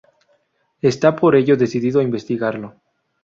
Está por ello decidido a investigarlo.